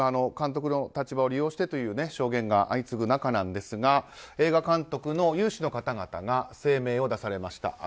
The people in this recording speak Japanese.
監督の立場を利用してという証言が相次ぐ中ですが映画監督の有志の方々が声明を出されました。